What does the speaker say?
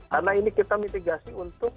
karena ini kita mitigasi untuk